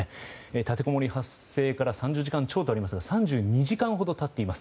立てこもり発生から３０時間超とありますが３２時間ほど経っています。